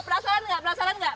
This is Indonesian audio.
perasaan nggak perasaan nggak